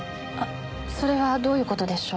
それはどういう事でしょう？